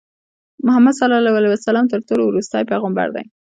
محمدﷺ تر ټولو ورستی پیغمبر دی.